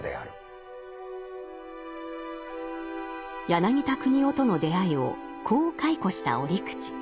柳田国男との出会いをこう回顧した折口。